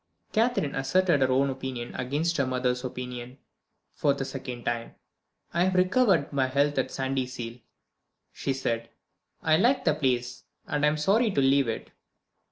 Catherine asserted her own opinion against her mother's opinion, for the second time. "I have recovered my health at Sandyseal," she said. "I like the place, and I am sorry to leave it."